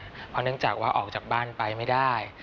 เพราะเนื่องจากว่าออกจากบ้านไปไม่ได้